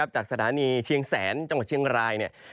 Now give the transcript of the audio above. จากสถานีเชียงแสนจังหวัดเชียงรายเนี่ย